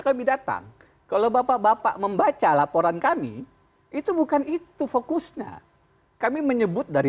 kami datang kalau bapak bapak membaca laporan kami itu bukan itu fokusnya kami menyebut dari